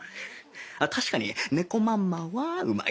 あっ確かに猫まんまはうまい。